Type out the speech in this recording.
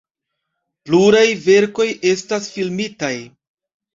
Pluraj verkoj estas filmitaj.